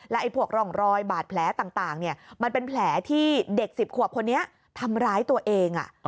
ไอ้พวกร่องรอยบาดแผลต่างมันเป็นแผลที่เด็ก๑๐ขวบคนนี้ทำร้ายตัวเอง